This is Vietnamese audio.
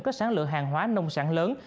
có sản lượng hàng hóa nông sản lớn